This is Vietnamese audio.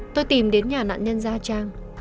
tôi tìm đến nhà nạn nhân gia trang